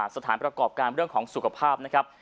สถานประกอบการเรื่องของสุขภาพนะครับ